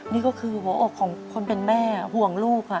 นี่ก็คือหัวอกของคนเป็นแม่ห่วงลูกค่ะ